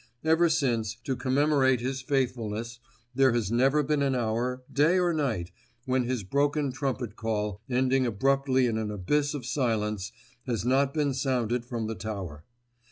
Ever since, to commemorate his faithfulness, there has never been an hour, day or night, when his broken trumpet call, ending abruptly in an abyss of silence, has not been sounded from the tower.